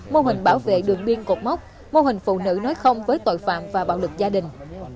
mô hình bảo vệ đường biên cột mốc mô hình phụ nữ nói không với tội phạm và bạo lực gia đình